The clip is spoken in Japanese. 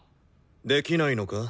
できないのか？